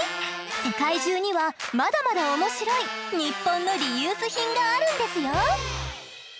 世界中にはまだまだ面白いニッポンのリユース品があるんですよ。